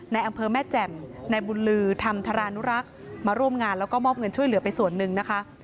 ในอำเภอแม่แจ่มในบุญลือธรรมธารานุรักษ์มาร่วมงานแล้วก็มอบเงินช่วยเหลือไปส่วนหนึ่งนะคะ